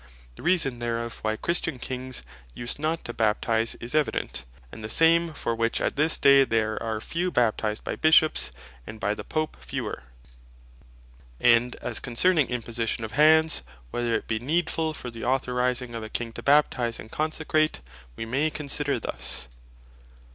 The reason therefore why Christian Kings use not to Baptize, is evident, and the same, for which at this day there are few Baptized by Bishops, and by the Pope fewer. And as concerning Imposition of Hands, whether it be needfull, for the authorizing of a King to Baptize, and Consecrate, we may consider thus.